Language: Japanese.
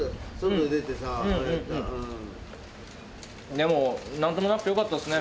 でもなんともなくてよかったですね。